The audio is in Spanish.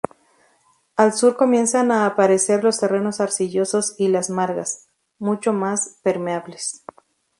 Al sur comienzan a aparecer los terrenos arcillosos y las margas, mucho más permeables.